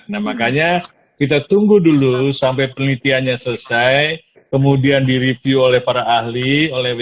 nah makanya kita tunggu dulu sampai penelitiannya selesai kemudian direview oleh para ahli oleh wni